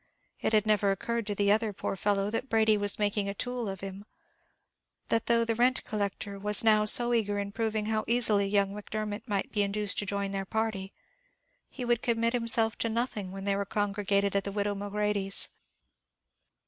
It had never occurred to the other, poor fellow, that Brady was making a tool of him; that though the rent collector was now so eager in proving how easily young Macdermot might be induced to join their party, he would commit himself to nothing when they were congregated at the widow Mulready's.